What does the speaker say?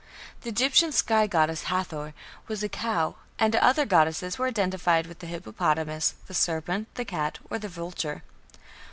The Egyptian sky goddess Hathor was a cow, and other goddesses were identified with the hippopotamus, the serpent, the cat, or the vulture.